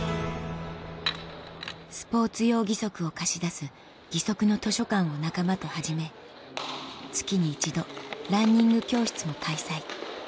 スポーツ用義足を貸し出す「ギソクの図書館」を仲間と始め月に１度ランニング教室も開催